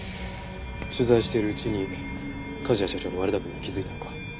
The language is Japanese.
取材しているうちに梶谷社長の悪巧みに気づいたのか？